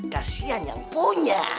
kasihan yang punya